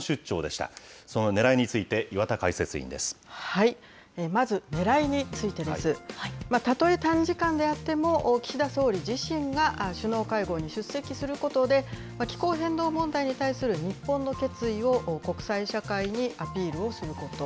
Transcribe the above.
たとえ短時間であっても、岸田総理自身が首脳会合に出席することで、気候変動問題に対する日本の決意を国際社会にアピールをすること。